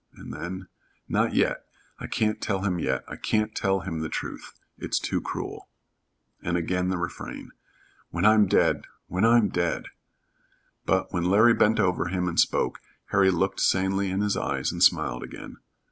And then, "Not yet. I can't tell him yet. I can't tell him the truth. It's too cruel." And again the refrain: "When I'm dead when I'm dead." But when Larry bent over him and spoke, Harry looked sanely in his eyes and smiled again.